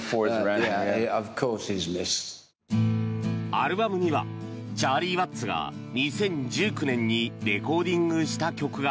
アルバムにはチャーリー・ワッツが２０１９年にレコーディングした曲が